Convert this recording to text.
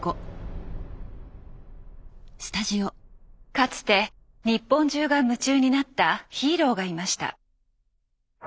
かつて日本中が夢中になったヒーローがいました。